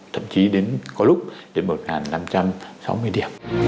thậm chí đến có lúc đến một năm trăm sáu mươi điểm